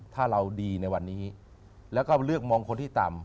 ถ้าเราดีในวันนี้แล้วก็เลือกมองคนที่ต่ำ